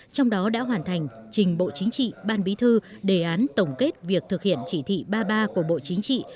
trong đó đã hoàn thành trình bộ chính trị ban bí thư đề án tổng kết việc thực hiện chỉ thị ba mươi ba của bộ chính trị